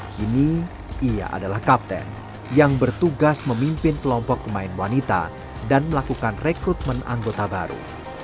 kini ia adalah kapten yang bertugas memimpin kelompok pemain wanita dan melakukan rekrutmen anggota baru